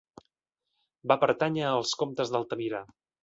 Va pertànyer als comtes d'Altamira.